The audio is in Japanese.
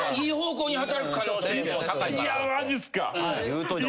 いやマジっすか。